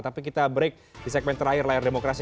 tapi kita break di segmen terakhir layar demokrasi